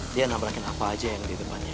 dia nabrakin apa aja yang di depannya